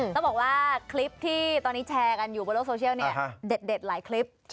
ต้องบอกว่าคลิปที่ตอนนี้แชร์กันอยู่บนโลกโซเชียลเนี่ยเด็ดหลายคลิป